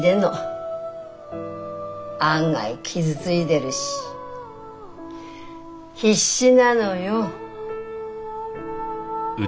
案外傷ついでるし必死なのよ。